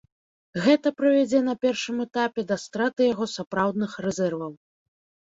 Гэта прывядзе на першым этапе да страты яго сапраўдных рэзерваў.